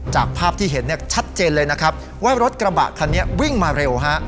จากภาพที่เห็นชัดเจนเลยนะครับว่ารถกระบะคันนี้วิ่งมาเร็วฮะ